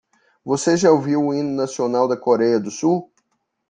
Você já ouviu o hino nacional da Coreia do Sul?